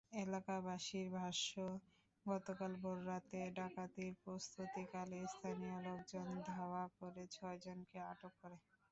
এলাকাবাসীর ভাষ্য, গতকাল ভোররাতে ডাকাতির প্রস্তুতিকালে স্থানীয় লোকজন ধাওয়া করে ছয়জনকে আটক করে।